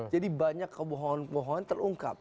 jadi banyak kebohongan bohongan terungkap